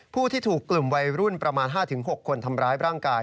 ผู้ที่ถูกกลุ่มวัยรุ่นประมาณ๕๖คนทำร้ายร่างกาย